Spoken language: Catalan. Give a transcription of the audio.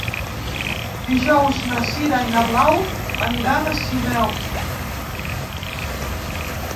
Dijous na Sira i na Blau aniran a Sineu.